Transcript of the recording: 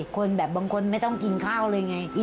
คนแบบบางคนไม่ต้องกินข้าวเลยไง